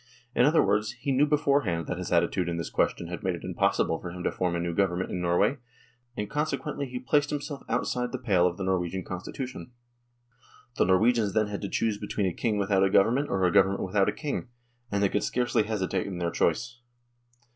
In other words, he knew beforehand that his attitude in this question had made it impossible for him to form a new Govern ment in Norway, and consequently he placed himself outside the pale of the Norwegian Constitution. The Norwegians had then to choose between a King without a Government or a Government without a King, and they could scarcely hesitate in their choice.